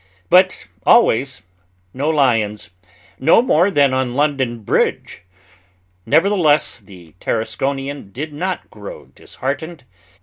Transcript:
But always no lions, no more than on London Bridge. Nevertheless, the Tarasconian did not grow disheartened.